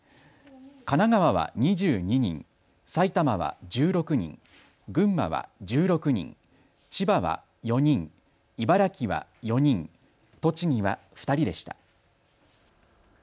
神奈川は２２人、埼玉は１６人、群馬は１６人、千葉は４人、茨城は４人、栃木は２人でした。